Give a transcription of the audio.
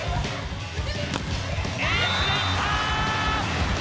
エースがいった！